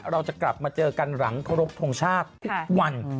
เราจะกลับมาเจอกันหลังเคารพทงชาติทุกวัน